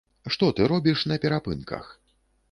Што ты робіш на перапынках?